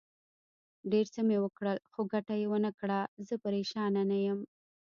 ډېر څه مې وکړل، خو ګټه یې ونه کړه، زه پرېشانه نه یم.